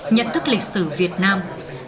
nhận thức lịch sử việt nam